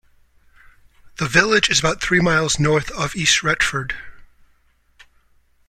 The village is about three miles north of East Retford.